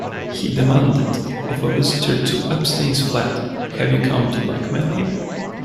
He demanded of a visitor to Epstein's flat, Have you come to blackmail him?